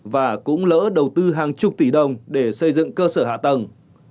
và cũng lỡ đầu tư hàng chục tỷ đồng để xây dựng cơ sở hạ tầng